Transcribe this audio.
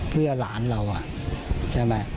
เพื่อหลานเราใช่ไหม